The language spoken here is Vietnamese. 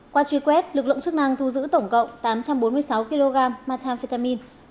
qua truy quét lực lượng chức năng thu giữ tổng cộng tám trăm bốn mươi sáu kg methamphetamine